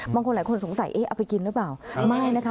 บางคนหลายคนสงสัยเอ๊ะเอาไปกินหรือเปล่าไม่นะคะ